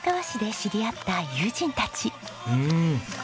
うん。